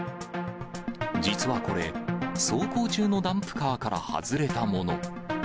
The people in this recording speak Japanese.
実はこれ、走行中のダンプカーから外れたもの。